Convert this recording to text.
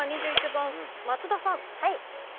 ２１番松田さん。